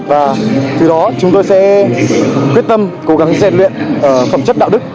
và từ đó chúng tôi sẽ quyết tâm cố gắng rèn luyện phẩm chất đạo đức